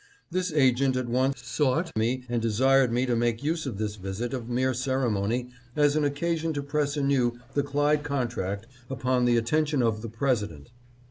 This agent at once sought me and desired me to make use of this visit of mere ceremony as an occasion to press anew the Clyde con tract upon the attention of the President.